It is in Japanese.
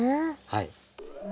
はい。